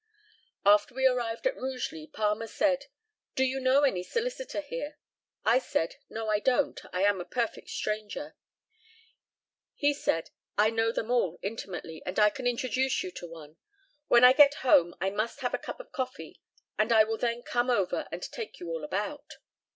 After we arrived at Rugeley, Palmer said, "Do you know any solicitor, here?" I said, "No, I don't, I am a perfect stranger." He said, "I know them all intimately, and I can introduce you to one. When I get home I must have a cup of coffee, and I will then come over, and take you all about."